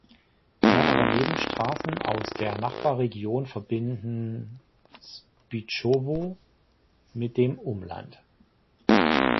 Mehrere Nebenstraßen aus der Nachbarregion verbinden Spychowo mit dem Umland.